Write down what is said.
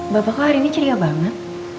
bapak hari ini ceria banget